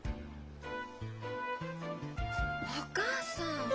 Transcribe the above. お母さん！